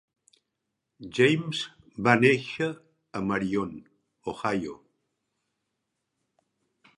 James va néixer a Marion, Ohio.